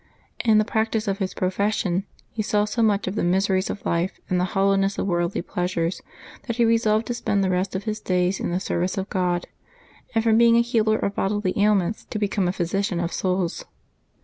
In the practice of his profession he saw so much of the miseries of life and the hoUowness of worldly pleasures, that he resolved to spend the rest of his days in the service of God, and from being a healer of bodily ailments to be come a physician of souls.